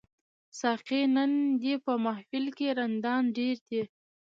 ساقي نن دي په محفل کي رندان ډیر دي